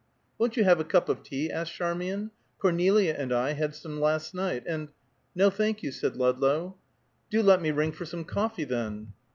"Won't you have a cup of tea?" asked Charmian. "Cornelia and I had some last night, and " "No, thank you," said Ludlow. "Do let me ring for some coffee, then?"